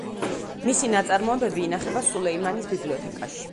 მისი ნაწარმოებები ინახება სულეიმანის ბიბლიოთეკაში.